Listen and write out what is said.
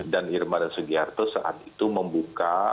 dan irman dan sugiarto saat itu membuka